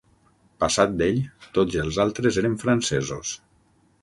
Passat d'ell, tots els altres eren francesos.